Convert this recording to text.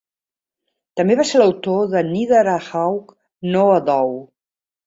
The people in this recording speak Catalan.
També va ser l"autor de "Neither a Hawk Nor a Dove".